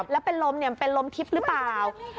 แล้วเป็นล้มมันเป็นล้มทิศหรือเปล่า